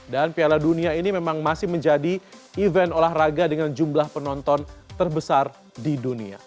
dan piala dunia ini memang masih menjadi event olahraga dengan jumlah penonton terbesar di dunia